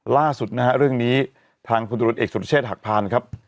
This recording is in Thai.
ล่าสุดนะฮะเรื่องนี้ทางพลตรวจเอกสุรเชษฐหักพานครับ